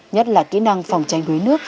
nhất là kỹ năng phòng tranh đuối nước